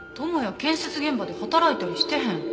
建設現場で働いたりしてへん。